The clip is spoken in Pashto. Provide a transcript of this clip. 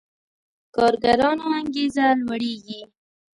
کارګرانو انګېزه لوړېږي.